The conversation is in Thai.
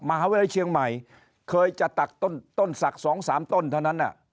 มหาวิทยาลัยเชียงใหม่เคยจะตักต้นศักดิ์๒๓ต้นเท่านั้น